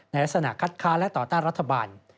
ลักษณะคัดค้าและต่อต้านรัฐบาล